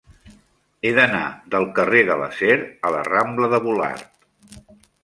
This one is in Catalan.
He d'anar del carrer de l'Acer a la rambla de Volart.